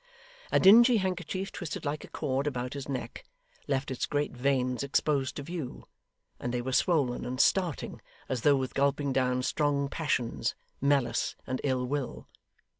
A dingy handkerchief twisted like a cord about his neck, left its great veins exposed to view, and they were swollen and starting, as though with gulping down strong passions, malice, and ill will.